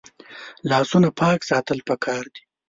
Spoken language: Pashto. لاسونه پاک ساتل پکار دي